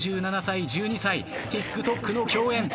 ３７歳１２歳ＴｉｋＴｏｋの共演